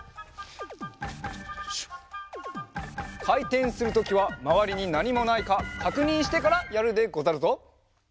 かいてんするときはまわりになにもないかかくにんしてからやるでござるぞ。